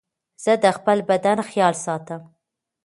زه د خپل بدن خيال ساتم.